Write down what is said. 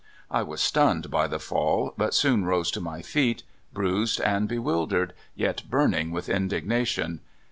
" I was stunned by the fall, but soon rose to my feet, bruised and bewildered, yet burning with in dignation.